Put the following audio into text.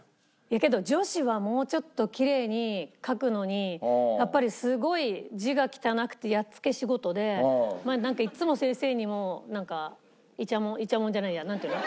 けど女子はもうちょっときれいに書くのにやっぱりすごい字が汚くてやっつけ仕事でいつも先生にもなんかいちゃもんいちゃもんじゃないやなんて言うの？